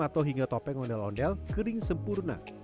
atau hingga topeng ondel ondel kering sempurna